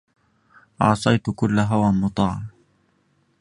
عاصيت كل هوى مطاع